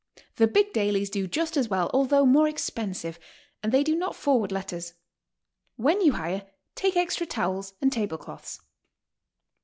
The big dailies do just as well, although more expensive, and they do not forward letters. When you hire, take extra towels and table cloths.